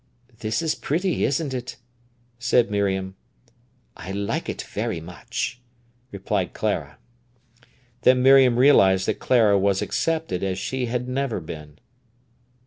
"This is pretty, isn't it?" said Miriam. "I like it very much," replied Clara. Then Miriam realised that Clara was accepted as she had never been.